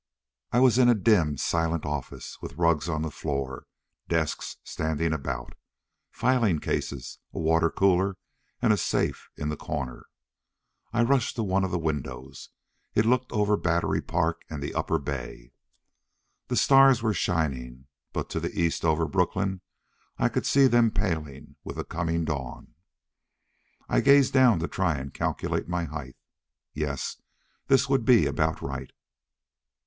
I was in a dim, silent office, with rugs on the floor, desks standing about, filing cases, a water cooler, and a safe in the corner. I rushed to one of the windows. It looked over Battery Park and the upper bay. The stars were shining, but to the east over Brooklyn I could see them paling with the coming dawn. I gazed down to try and calculate my height. Yes, this would be about right.